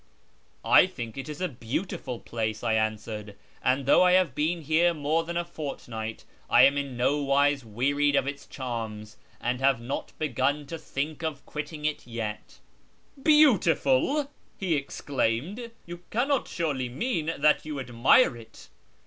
" I think it is a beautiful place," I answered, " and though I have been here more than a fortnight, I am in no wise wearied of its charms, and have not begun to think of quitting it yet." " Beautiful !" he exclaimed ;" you cannot surely mean that you admire it